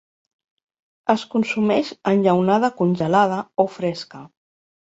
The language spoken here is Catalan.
Es consumeix enllaunada congelada o fresca.